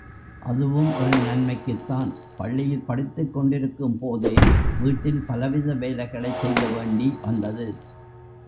அதுவும் ஒரு நன்மைக்குத்தான் பள்ளியில் படித்துக் கொண்டிருக்கும் போதே வீட்டில் பலவித வேலைகளைச் செய்ய வேண்டி வந்தது.